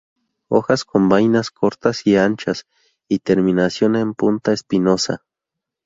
Hojas con vainas cortas y anchas y terminación en punta espinosa.